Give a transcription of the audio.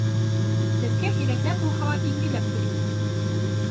Беҙгә һирәкләп булһа ла ингеләп йөрөгөҙ